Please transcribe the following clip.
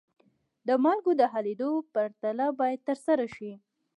د مالګو د حلیدو پرتله باید ترسره شي.